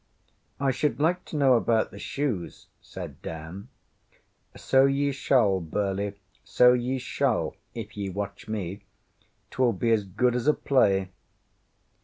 ŌĆśI should like to know about the shoes, ŌĆÖ said Dan. ŌĆśSo ye shall, Burleigh. So ye shall, if ye watch me. ŌĆśTwill be as good as a play.